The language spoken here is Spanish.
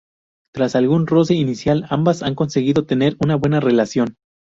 Tras algún roce inicial, ambas han conseguido tener una buena relación.